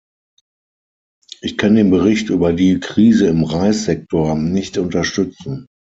Ich kann den Bericht über die Krise im Reissektor nicht unterstützen.